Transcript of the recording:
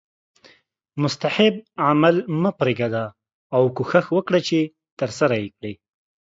مستحب عمل هم مه پریږده او کوښښ وکړه چې ترسره یې کړې